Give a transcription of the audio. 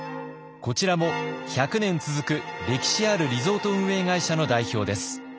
こちらも１００年続く歴史あるリゾート運営会社の代表です。